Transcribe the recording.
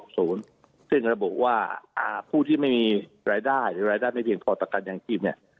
ซึ่งระบุว่าผู้ที่ไม่มีรายได้หรือรายได้ไม่เพียงพอต่อการยางชีพเนี่ย